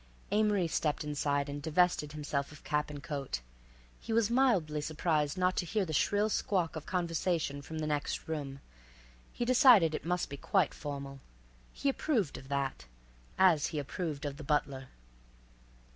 Amory stepped inside and divested himself of cap and coat. He was mildly surprised not to hear the shrill squawk of conversation from the next room, and he decided it must be quite formal. He approved of that—as he approved of the butler.